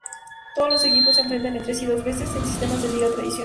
Todos los equipos se enfrentan entre sí dos veces, en sistema de liga tradicional.